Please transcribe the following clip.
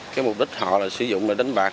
cái mục đích họ là sử dụng để đánh bạc